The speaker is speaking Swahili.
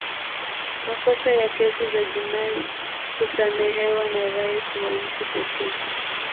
makosa ya kesi za jinai husamehewa na rais wa nchi pekee